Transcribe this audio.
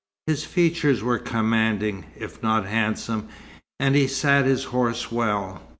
His features were commanding, if not handsome, and he sat his horse well.